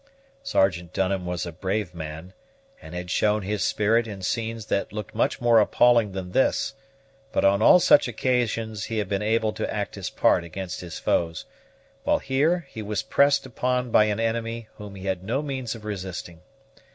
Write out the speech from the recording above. Sergeant Dunham was a brave man, and had shown his spirit in scenes that looked much more appalling than this; but on all such occasions he had been able to act his part against his foes, while here he was pressed upon by an enemy whom he had no means of resisting.